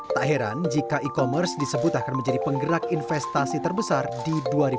tak heran jika e commerce disebut akan menjadi penggerak investasi terbesar di dua ribu dua puluh